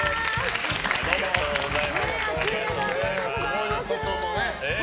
暑い中、ありがとうございます。